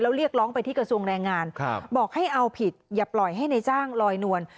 เรียกร้องไปที่กระทรวงแรงงานบอกให้เอาผิดอย่าปล่อยให้ในจ้างลอยนวล